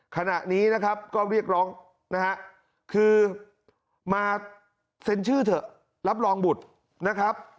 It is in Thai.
ขณะนี้นะครับก็เรียกร้องนะฮะคือมาเซ็นชื่อเถอะรับรองบุตรนะครับ